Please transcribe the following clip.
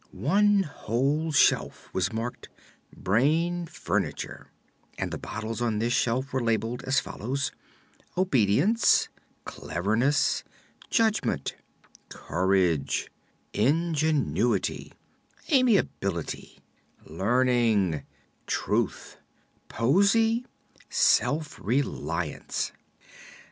One whole shelf was marked: "Brain Furniture," and the bottles on this shelf were labeled as follows: "Obedience," "Cleverness," "Judgment," "Courage," "Ingenuity," "Amiability," "Learning," "Truth," "Poesy," "Self Reliance."